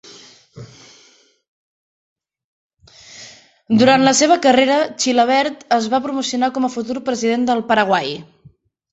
Durant la seva carrera, Chilavert es va promocionar com a futur president del Paraguai.